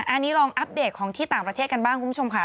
อันนี้ลองอัปเดตของที่ต่างประเทศกันบ้างคุณผู้ชมค่ะ